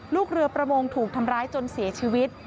ลูกเรือประมงถูกทำร้ายจนเสียชีวิต